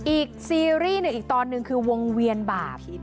อีกซีรีส์หนึ่งอีกตอนหนึ่งคือวงเวียนบาป